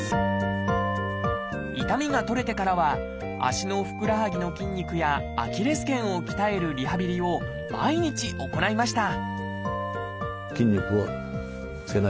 痛みが取れてからは足のふくらはぎの筋肉やアキレス腱を鍛えるリハビリを毎日行いました